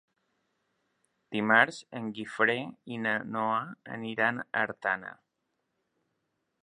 Dimarts en Guifré i na Noa aniran a Artana.